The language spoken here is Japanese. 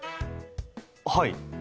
はい。